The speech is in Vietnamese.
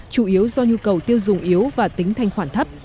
chủ yếu do nhu cầu tiêu dùng yếu và tính thanh khoản thấp